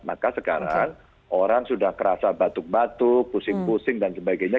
maka sekarang orang sudah kerasa batuk batuk pusing pusing dan sebagainya